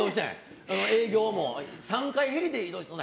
営業も、３回ヘリで移動してん。